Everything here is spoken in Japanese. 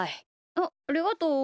あっありがとう。